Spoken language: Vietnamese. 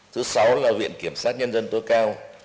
thứ sáu là viện kiểm sát nhân dân tối cao